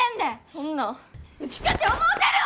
そんなんウチかて思うてるわ！